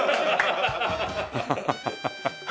ハハハハッ。